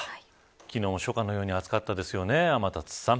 昨日も初夏のように暑かったですね、天達さん。